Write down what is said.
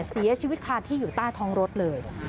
เสียชีวิตคาที่อยู่ใต้ท้องรถเลย